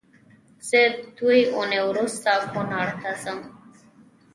زه دوې اونۍ روسته کونړ ته ځم